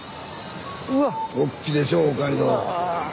おっきいでしょう大街道。